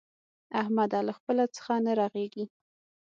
احمده! له خپله څخه نه رغېږي.